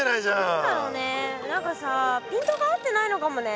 何だろうね何かさピントが合ってないのかもね。